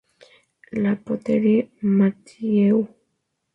La Poterie-Mathieu